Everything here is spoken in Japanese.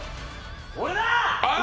俺だ！